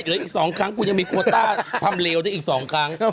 เดี๋ยวอีก๒ครั้งกูยังมีโควต้าทำเลวที่อีก๒ครั้ง